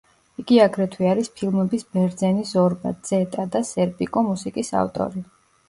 იგი აგრეთვე არის ფილმების „ბერძენი ზორბა“, „ძეტა“ და „სერპიკო“ მუსიკის ავტორი.